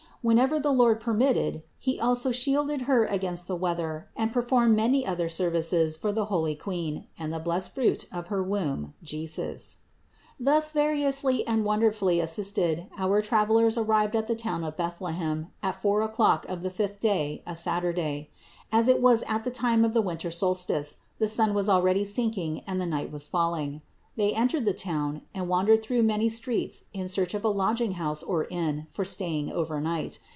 Whenever the Lord permitted, he also shielded Her against the weather and performed many other services for the heavenly Queen and the blessed Fruit of her womb, Jesus. 388 CITY OF GOD 462. Thus variously and wonderfully assisted, our travelers arrived at the town of Bethlehem at four o'clock of the fifth day, a Saturday. As it was at the time of the winter solstice, the sun was already sinking and the night was falling. They entered the town, and wandered through many streets in search of a lodging house or inn for staying over night.